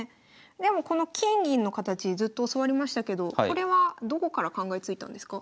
でもこの金銀の形ずっと教わりましたけどこれはどこから考えついたんですか？